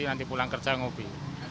nanti pulang kerja ngopi